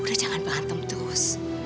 sudah jangan pengantem terus